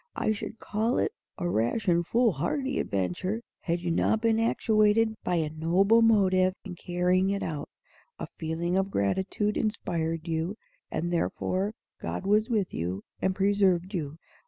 "I should call it a rash and fool hardy adventure, had you not been actuated by a noble motive in carrying it out. A feeling of gratitude inspired you, and therefore God was with you, and preserved you.